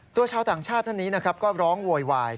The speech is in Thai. ตัวชาวต่างชาติท่านี้ก็ร้องโวยวาย